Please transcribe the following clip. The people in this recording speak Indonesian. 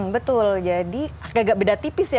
betul jadi agak agak beda tipis ya